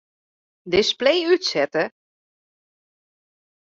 Display útsette.